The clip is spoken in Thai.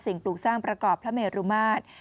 ปลูกสร้างประกอบพระเมรุมาตร